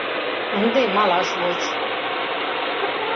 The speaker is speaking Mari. — Ынде малаш воч.